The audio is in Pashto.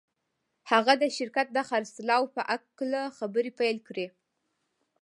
هغه د شرکت د خرڅلاو په هکله خبرې پیل کړې